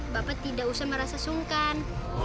bapak tidak usah merasa sungkan